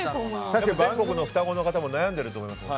全国の双子の方も悩んでると思いますよ。